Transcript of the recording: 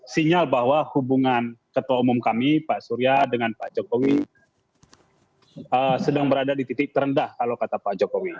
sinyal bahwa hubungan ketua umum kami pak surya dengan pak jokowi sedang berada di titik terendah kalau kata pak jokowi